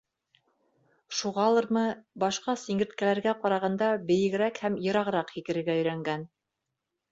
Шуғалырмы, башҡа сиңерткәләргә ҡарағанда бейегерәк һәм йырағыраҡ һикерергә өйрәнгән.